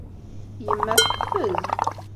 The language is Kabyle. Yemma teqfez.